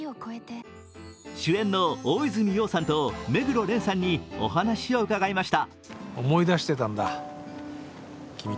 主演の大泉洋さんと目黒蓮さんにお話を聞きました。